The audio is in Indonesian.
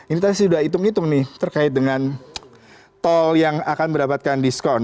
ini tadi sudah hitung hitung nih terkait dengan tol yang akan mendapatkan diskon